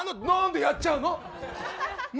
なんでやっちゃうの。